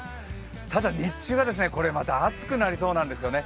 ただ、日中はこれまた暑くなりそうなんですよね。